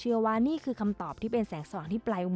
และการบริการผู้โดยสาร๑๒๗๕ราย